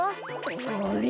あれ？